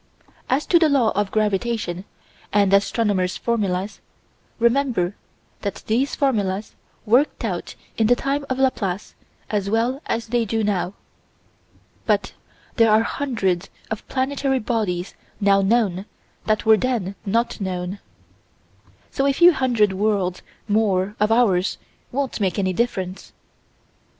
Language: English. As to the Law of Gravitation, and astronomers' formulas, remember that these formulas worked out in the time of Laplace as well as they do now. But there are hundreds of planetary bodies now known that were then not known. So a few hundred worlds more of ours won't make any difference.